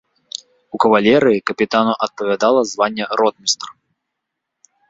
У кавалерыі капітану адпавядала званне ротмістр.